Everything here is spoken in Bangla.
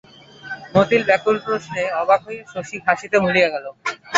মতির ব্যাকুল প্রশ্নে অবাক হইয়া শশী হাসিতে ভুলিয়া গেল।